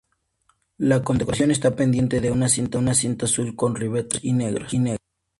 La condecoración está pendiente de una cinta azul con ribetes blancos y negros.